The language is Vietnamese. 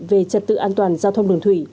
về chất tự an toàn giao thông đường thủy